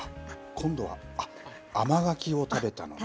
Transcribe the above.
今度は、甘柿を食べたのね。